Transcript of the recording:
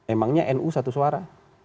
emangnya nu satu suara